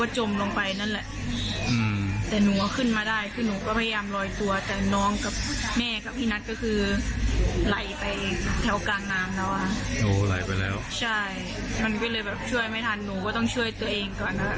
ใช่มันก็เลยช่วยไม่ทันหนูก็ต้องช่วยตัวเองก่อนนะ